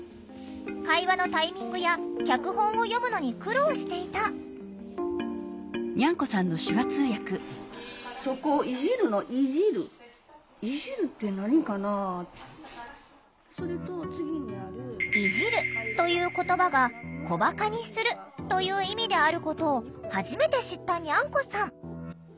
会話のタイミングや脚本を読むのに苦労していた「いじる」という言葉が「こばかにする」という意味であることを初めて知ったＮｙａｎｋｏさん。